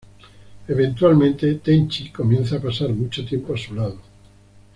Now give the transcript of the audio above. Eventualmente, Tenchi comienza a pasar mucho tiempo a su lado.